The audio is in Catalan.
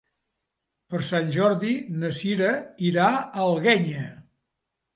Per Sant Jordi na Sira irà a l'Alguenya.